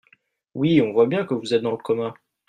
Oui, on voit bien que vous êtes dans le coma